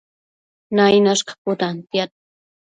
Nainash caputantiad